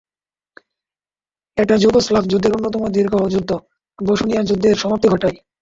এটা যুগোস্লাভ যুদ্ধের অন্যতম দীর্ঘ যুদ্ধ বসনিয়া যুদ্ধের সমাপ্তি ঘটায়।